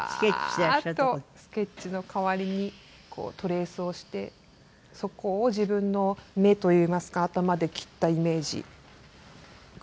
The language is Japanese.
ワーッとスケッチの代わりにトレースをしてそこを自分の目といいますか頭で切ったイメージ組み立てて。